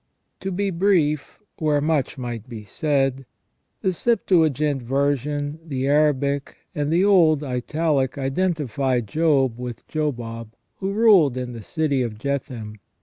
To be brief, where much might be said, the Septuagint version, the Arabic, and the old Italic identify Job with Jobab, who ruled in the city of Jethem.